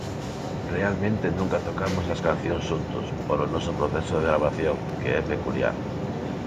Realmente nunca tocamos as cancións xuntos, polo noso proceso de gravación, que é peculiar.